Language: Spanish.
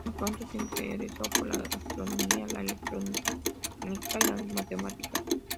Muy pronto se interesó por la astronomía, la electrónica y las matemáticas.